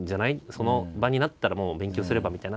その場になったら勉強すればみたいな。